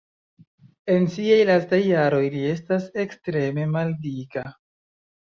En siaj lastaj jaroj li estas ekstreme maldika.